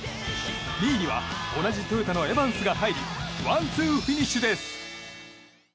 ２位には同じトヨタのエバンスが入りワンツーフィニッシュです！